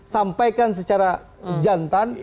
sampaikan secara jantan